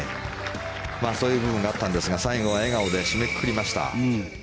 そういう場面があったんですが最後は笑顔で締めくくりました。